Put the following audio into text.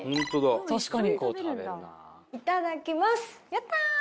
やった。